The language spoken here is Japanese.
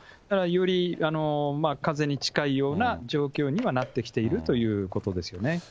だからよりかぜに近いような状況にはなってきているということですよね。